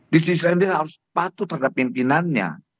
di sisi lain dia harus patuh terhadap pimpinannya